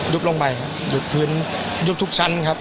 ยุบลงไปยุบพื้นยุบทุกชั้นครับ